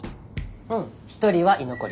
うん１人は居残り。